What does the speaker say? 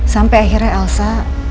sampai akhirnya elsa